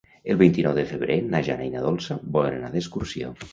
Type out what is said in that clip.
El vint-i-nou de febrer na Jana i na Dolça volen anar d'excursió.